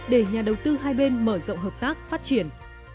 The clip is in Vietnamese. để nhà đầu tư hai bên mở rộng hợp tác phát triển